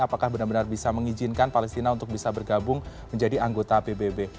apakah benar benar bisa mengizinkan palestina untuk bisa bergabung menjadi anggota pbb